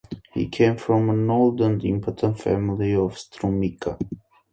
He came from an old and important family of Strumica.